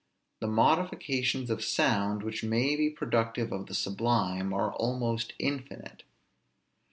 The modifications of sound, which may be productive of the sublime, are almost infinite.